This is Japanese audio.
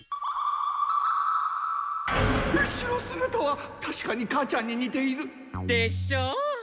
後ろすがたはたしかに母ちゃんににている。